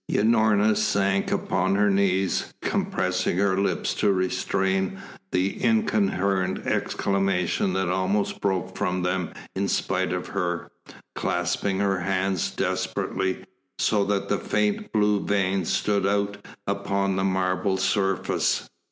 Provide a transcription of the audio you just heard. Unorna sank upon her knees, compressing her lips to restrain the incoherent exclamation that almost broke from them in spite of her, clasping her hands desperately, so that the faint blue veins stood out upon the marble surface.